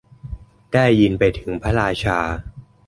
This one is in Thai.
ได้ยินไปถึงพระราชา